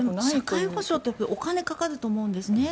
社会保障はお金がかかると思うんですね。